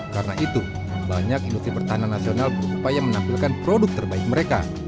karena itu banyak industri pertahanan nasional berupaya menampilkan produk terbaik mereka